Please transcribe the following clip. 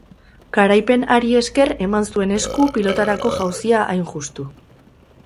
Garaipen hari esker eman zuen esku pilotarako jauzia, hain justu.